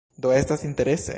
Do estas interese.